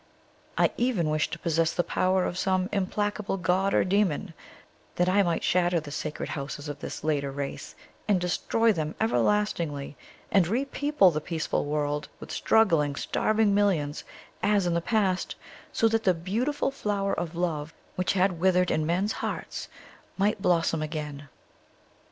I even wished to possess the power of some implacable god or demon, that I might shatter the sacred houses of this later race, and destroy them everlastingly, and repeople the peaceful world with struggling, starving millions, as in the past, so that the beautiful flower of love which had withered in men's hearts might blossom again.